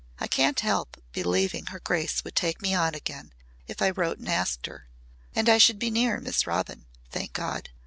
"I can't help believing her grace would take me on again if I wrote and asked her. And I should be near Miss Robin, thank God.